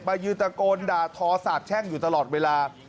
ยืนตะโกนด่าทอสาบแช่งอยู่ตลอดเวลา